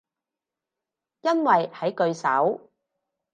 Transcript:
因為喺句首